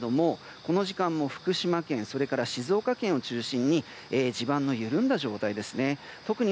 この時間も福島県それから静岡県を中心に地盤の緩んだ状態です。